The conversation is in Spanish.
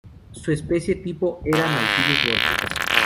Su especie tipo era "Nautilus vortex".